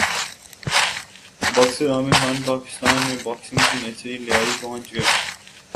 boxer Aamir Khan Pakistan میں boxing کی nursery Lyari پہنچ گئے